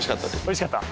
おいしかった？